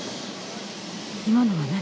今のは何？